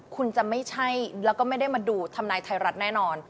คุณจะไม่ใช่แล้วก็ไม่ได้มาดูทำนายไทยรัฐแน่นอน